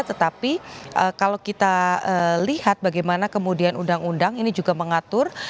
tetapi kalau kita lihat bagaimana kemudian undang undang ini juga mengatur